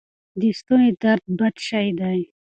د ستوني درد بد شی دی.